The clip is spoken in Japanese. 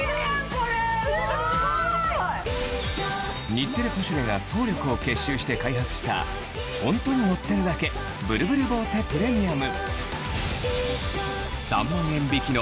『日テレポシュレ』が総力を結集して開発した「ほんとに乗ってるだけ！ブルブルボーテプレミアム」